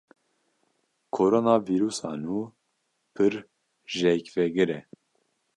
Koronavîrusa nû pir jêkvegir e.